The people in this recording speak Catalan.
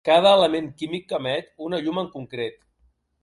Cada element químic emet una llum en concret.